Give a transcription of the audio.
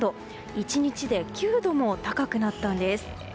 １日で９度も高くなったんです。